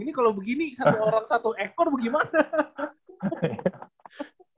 ini kalau begini satu orang satu ekor bagaimana